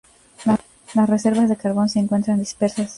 Las reservas de carbón se encuentran dispersas.